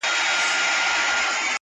o په يوه څاپېړه د سلو مخ خوږېږي!